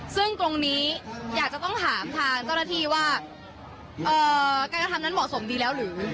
ซึ่งตรงนี้อยากจะต้องถามทางเจ้าหน้าที่ว่าการกระทำนั้นเหมาะสมดีแล้วหรือ